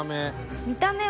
見た目。